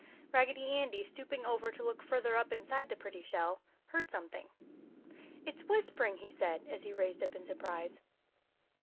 Raggedy Andy, stooping over to look further up inside the pretty shell, heard something. "It's whispering!" he said, as he raised up in surprise.